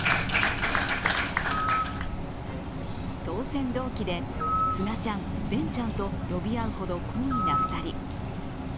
当選同期で、スガちゃん、ベンちゃんと呼び合うほど懇意な２人。